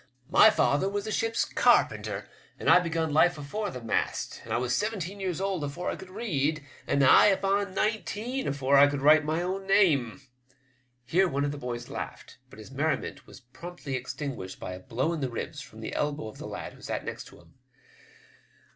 My father was a ship's carpenter, and I begun life afore the mast, and I was seventeen years old afore I could read, and nigh upon nineteen afore I could write my own name." Etere one of the boys laughed, but his merriment was promptly extinguished by a blow in the ribs from the elbow of the lad who sat next to him.